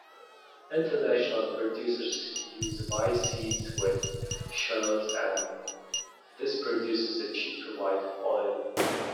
International producers use white seeds with shells and this produces a cheaper white oil.